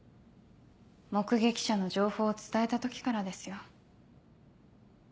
目撃者の情報を伝えた時からですよ。